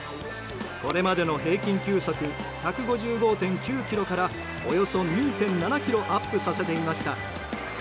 これまでの平均球速１５５．９キロからおよそ２．７キロアップさせていました。